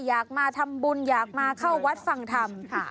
อยากมาทำบุญอยากมาเข้าวัดฟังธรรม